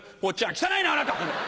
「汚いな！あなた」。